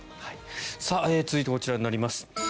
続いてこちらになります。